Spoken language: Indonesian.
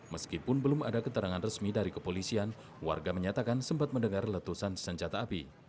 meskipun belum ada keterangan resmi dari kepolisian warga menyatakan sempat mendengar letusan senjata api